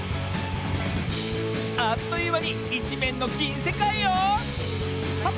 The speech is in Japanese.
あっというまにいちめんのぎんせかいよ！